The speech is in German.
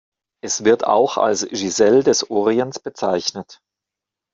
Es wird auch als „Giselle des Orients“ bezeichnet.